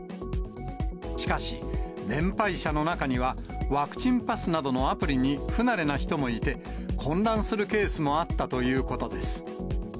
しかし、年配者の中には、ワクチンパスなどのアプリに不慣れな人もいて、混乱するケースもあったということです。